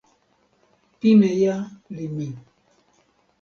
pimeja li mi.